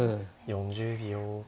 ４０秒。